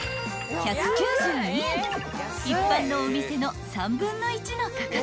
［一般のお店の３分の１の価格］